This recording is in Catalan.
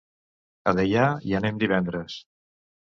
A Deià hi anem divendres.